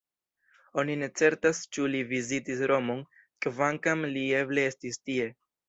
Oni ne certas ĉu li vizitis Romon, kvankam li eble estis tie.